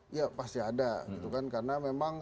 iya pasti ada karena memang